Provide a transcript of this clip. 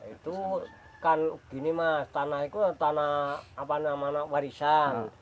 itu kan gini mas tanah itu tanah warisan